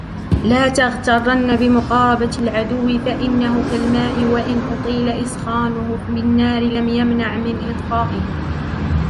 لَا تَغْتَرَّنَّ بِمُقَارَبَةِ الْعَدُوِّ فَإِنَّهُ كَالْمَاءِ وَإِنْ أُطِيلَ إسْخَانُهُ بِالنَّارِ لَمْ يَمْنَعْ مِنْ إطْفَائِهَا